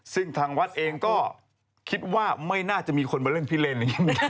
ซึ่งทางวัดเองก็คิดว่าไม่น่าจะมีคนมาเล่นพิเลนี้